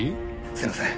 すいません。